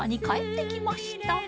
帰ってきました。